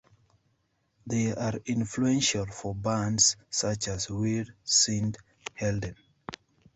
They are influential for bands such as Wir sind Helden.